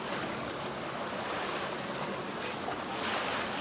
สวัสดีครับคุณผู้ชาย